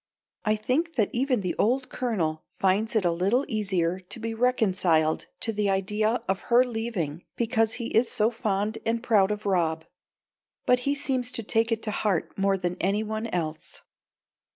I think that even the old Colonel finds it a little easier to be reconciled to the idea of her leaving because he is so fond and proud of Rob. But he seems to take it to heart more than any one else.